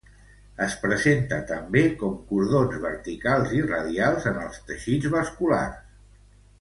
Es presenta també com cordons verticals i radials en els teixits vasculars.